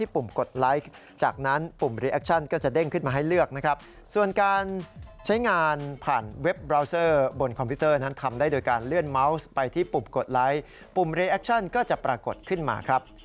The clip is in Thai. ปุ่มแอปก็จะปรากฏขึ้นมาครับ